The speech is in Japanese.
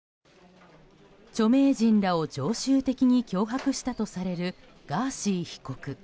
著名人らを常習的に脅迫したとされるガーシー被告。